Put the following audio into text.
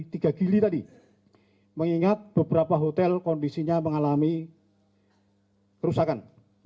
dili tadi mengingat beberapa hotel kondisinya mengalami kerusakan